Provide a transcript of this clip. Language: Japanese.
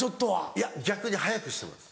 いや逆に速くしてます。